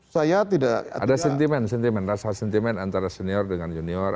saya tidak ada sentimen sentimen rasa sentimen antara senior dengan junior